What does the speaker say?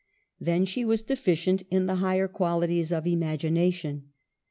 Then she was deficient in the higher qualities of imagination.